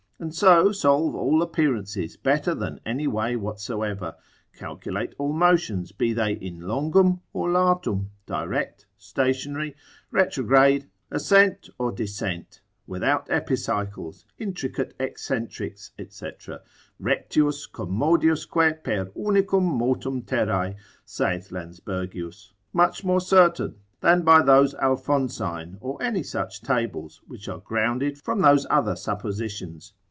and so solve all appearances better than any way whatsoever: calculate all motions, be they in longum or latum, direct, stationary, retrograde, ascent or descent, without epicycles, intricate eccentrics, &c. rectius commodiusque per unicum motum terrae, saith Lansbergius, much more certain than by those Alphonsine, or any such tables, which are grounded from those other suppositions.